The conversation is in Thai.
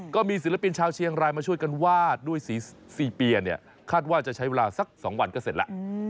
ก็มีศิลปินชาวเชียงรายมาช่วยกันวาดด้วยสีเปียเนี่ยคาดว่าจะใช้เวลาสัก๒วันก็เสร็จแล้ว